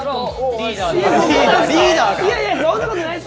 リーダーです。